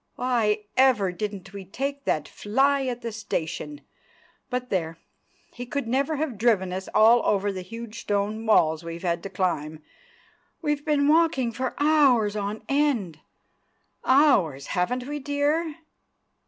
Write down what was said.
Why ever didn't we take that fly at the station! But there, he could never have driven us over all the huge stone walls we've had to climb! We've been walking for hours on end—hours—haven't we, dear?"